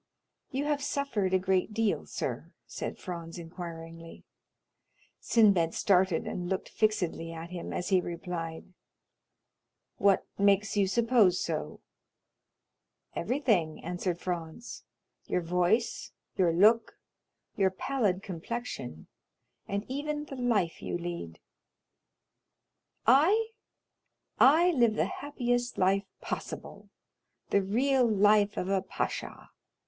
"You have suffered a great deal, sir?" said Franz inquiringly. Sinbad started and looked fixedly at him, as he replied, "What makes you suppose so?" "Everything," answered Franz,—"your voice, your look, your pallid complexion, and even the life you lead." "I?—I live the happiest life possible, the real life of a pasha.